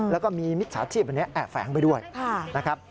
แล้วก็มีมิจฉาชีพอันนี้แอบแฝงไปด้วยนะครับ